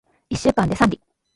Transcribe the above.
一週間で三里